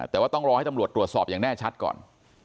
แต่ว่าต้องรอให้ตำรวจตรวจสอบอย่างแน่ชัดก่อน